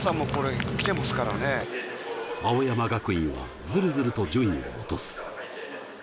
青山学院はずるずると順位を落とす。